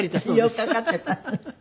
寄っかかっていた。